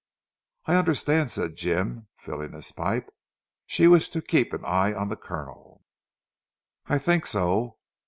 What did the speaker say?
"I understand," said Jim, filling his pipe, "she wished to keep an eye on the Colonel." "I think so.